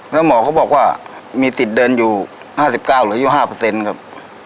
แล้วหมอเขาบอกว่ามีสิทธิ์เดินอยู่๕๙หรือ๕๕เปอร์เซ็นต์ครับ